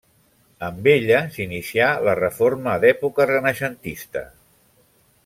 Amb ella s'inicià la reforma d'època renaixentista.